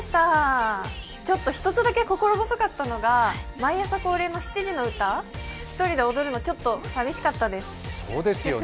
ちょっと１つだけ心細かったのが、毎朝恒例の７時のうた、１人で踊るのちょっと寂しかったです。